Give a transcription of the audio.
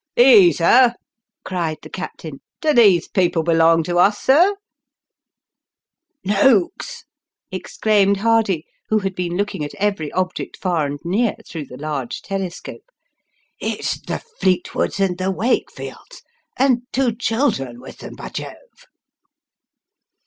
" Ease her !" cried the captain :" do these people belong to us, sir ?"" Noakes," exclaimed Hardy, who had been looking at every object, far and near, through the large telescope, " it's the Fleetwoods and the Wakefields and two children with them, by Jove